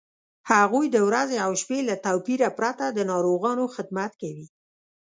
هغوی د ورځې او شپې له توپیره پرته د ناروغانو خدمت کوي.